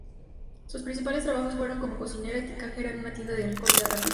Sus primeros trabajos fueron como cocinera y cajera en una tienda de comida rápida.